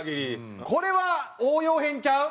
これは応用編ちゃう？